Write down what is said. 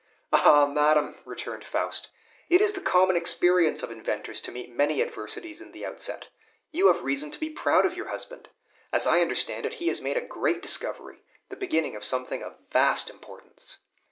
"Ah, madam," returned Faust, "it is the common experience of inventors to meet many adversities in the outset. You have reason to be proud of your husband. As I understand it, he has made a great discovery, the beginning of something of vast importance."